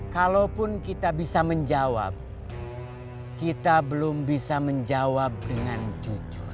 kalaupun kita bisa menjawab kita belum bisa menjawab dengan jujur